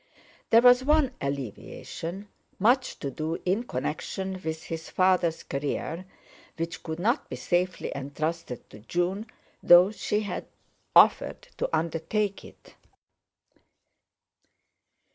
There was one alleviation—much to do in connection with his father's career, which could not be safely entrusted to June, though she had offered to undertake it.